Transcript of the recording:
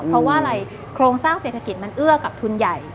เพราะว่าอะไรโครงสร้างเศรษฐกิจมันเอื้อกับทุนใหญ่